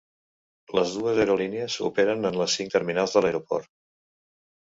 Les dues aerolínies operen en les cinc terminals de l'aeroport.